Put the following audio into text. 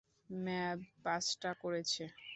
ম্যাভ পাঁচটা করেছে।